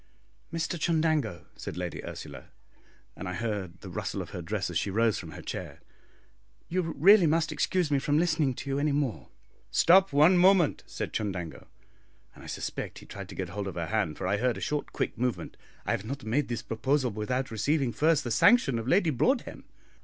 "Mr Chundango," said Lady Ursula, and I heard the rustle of her dress as she rose from her chair, "you really must excuse me from listening to you any more." "Stop one moment," said Chundango; and I suspect he tried to get hold of her hand, for I heard a short quick movement; "I have not made this proposal without receiving first the sanction of Lady Broadhem."